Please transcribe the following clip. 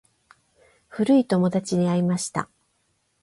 古い友達に会いました。